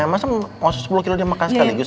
masa mau sepuluh kilo dia makan sekaligus